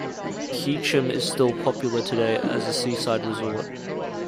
Heacham is still popular today as a seaside resort.